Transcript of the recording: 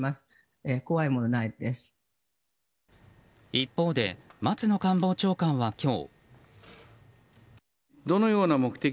一方で、松野官房長官は今日。